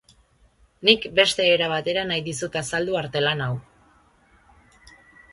Nik beste era batera nahi dizut azaldu artelan hau.